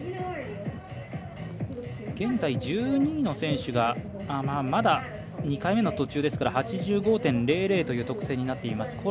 現在１２位の選手がまだ２回目の途中ですから８５．００という得点になっています。